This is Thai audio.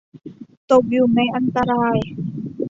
ตกอยู่ในอันตราย